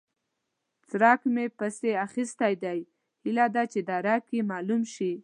څرک مې پسې اخيستی دی؛ هيله ده چې درک يې مالوم شي.